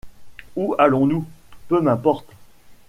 Où allons-nous, peu m’importe!